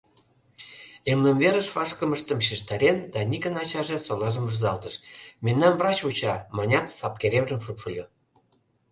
Эмлымверыш вашкымыштым шижтарен, Даникын ачаже солажым рӱзалтыш, «Мемнам врач вуча», — манят, сапкеремжым шупшыльо.